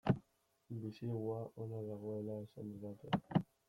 Bisigua ona dagoela esan didate.